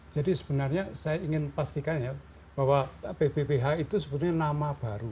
jadi sebenarnya saya ingin pastikan ya bahwa pbbh itu sebetulnya nama baru